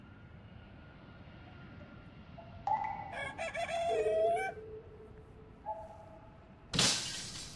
Tumewaita nyie waandishi wa habari na ili muelewe kinachofanyika kwenye mchakato wa kuandika kitabu